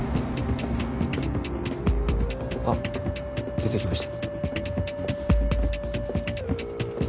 あっ出てきました。